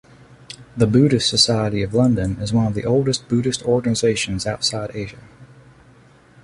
The Buddhist Society of London is one of the oldest Buddhist organisations outside Asia.